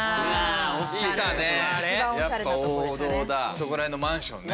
そこら辺のマンションね。